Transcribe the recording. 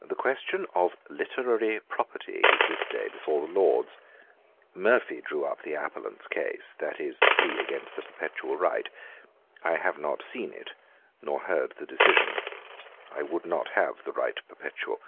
'The question of Literary Property is this day before the Lords. Murphy drew up the Appellants' case, that is, the plea against the perpetual right. I have not seen it, nor heard the decision. I would not have the right perpetual.